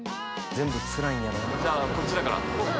じゃあこっちだから帰るわ。